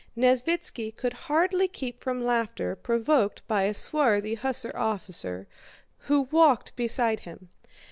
Nesvítski could hardly keep from laughter provoked by a swarthy hussar officer who walked beside him.